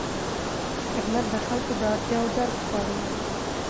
خدمت د خلکو د اړتیاوو درک غواړي.